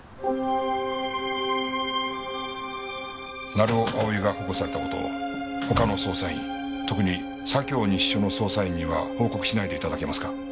成尾蒼が保護された事を他の捜査員特に左京西署の捜査員には報告しないで頂けますか？